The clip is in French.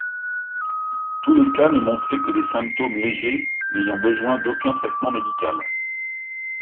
Tous les cas ne montraient que des symptômes légers, n'ayant besoin d'aucun traitement médical.